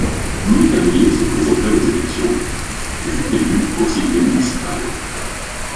Louis Carrier se présenta aux élections et fut élu conseiller municipal.